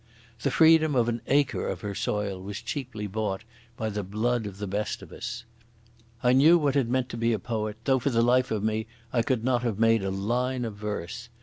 The freedom of an acre of her soil was cheaply bought by the blood of the best of us. I knew what it meant to be a poet, though for the life of me I could not have made a line of verse.